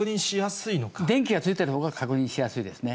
電気がついてるほうが確認しやすいですね。